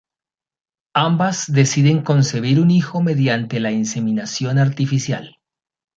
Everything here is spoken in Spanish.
Ambas deciden concebir a un hijo mediante la inseminación artificial.